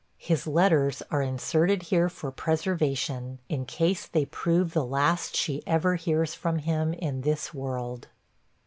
His letters are inserted here for preservation, in case they prove the last she ever hears from him in this world.